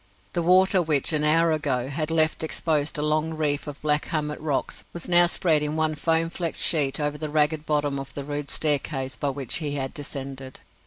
The water which, an hour ago, had left exposed a long reef of black hummock rocks, was now spread in one foam flecked sheet over the ragged bottom of the rude staircase by which he had descended.